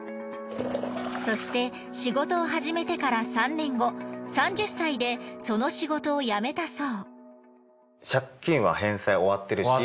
そして仕事を初めてから３年後３０歳でその仕事を辞めたそう。